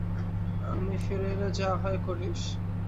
আমি ফিরে এলে যা হয় করিস।